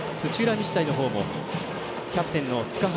日大のほうもキャプテンの塚原